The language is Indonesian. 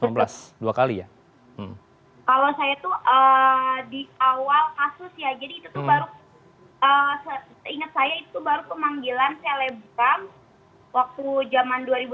kalau saya itu di awal kasus ya jadi itu baru ingat saya itu baru pemanggilan telepon